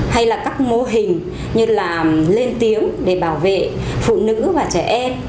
hay là các mô hình như là lên tiếng để bảo vệ phụ nữ và trẻ em